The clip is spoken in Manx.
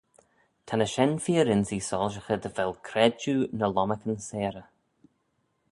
Ta ny shenn fir-ynsee soilshaghey dy vel credjue ny lomarcan seyrey.